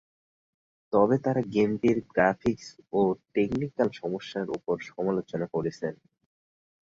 তবে, তারা গেমটির গ্রাফিক্স ও টেকনিকাল সমস্যার উপর সমালোচনা করেছেন।